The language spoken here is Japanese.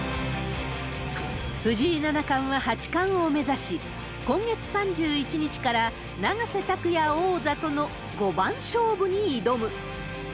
藤井七冠は八冠を目指し、今月３１日から永瀬拓矢王座との五番勝負に挑む。